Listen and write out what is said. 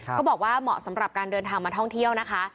เขาบอกว่าเหมาะสำหรับการเดินทางมาท่องเที่ยวนะคะ